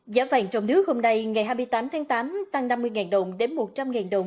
giá vàng trong nước hôm nay ngày hai mươi tám tháng tám tăng năm mươi đồng đến một trăm linh đồng